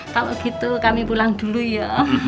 kalau gitu kami pulang dulu ya